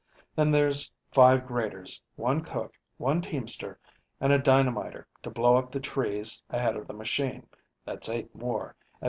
Then there's five graders, one cook, and one teamster, and a dynamiter to blow up the trees ahead of the machine; that's eight more, at $36.